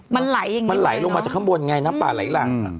มันไหลลงมาจากข้างบนไงน้ำป่าไหลล่ะ